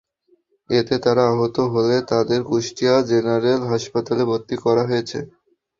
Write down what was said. এতে তাঁরা আহত হলে তাঁদের কুষ্টিয়া জেনারেল হাসপাতালে ভর্তি করা হয়েছে।